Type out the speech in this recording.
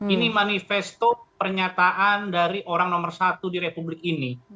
ini manifesto pernyataan dari orang nomor satu di republik ini